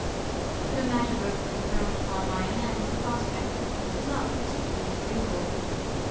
I could imagine both of them thrown upon my hands, and the prospect was not particularly agreeable.